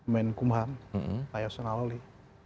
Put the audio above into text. men kumham pak yosun aloli